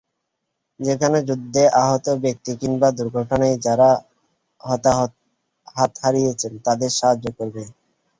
যেখানে যুদ্ধে আহত ব্যক্তি কিংবা দুর্ঘটনায় যাঁরা হাত হারিয়েছেন তাঁদের সাহায্য করবে।